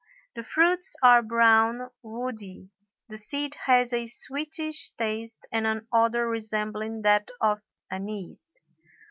The fruits are brown, woody; the seed has a sweetish taste and an odor resembling that of anise.